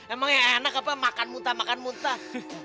emang yang enak apa makan muntah makan muntah